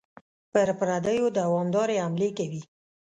پر پردیو دوامدارې حملې کوي.